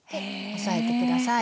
押さえて下さい。